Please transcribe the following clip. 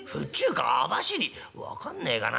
「分かんねえかな。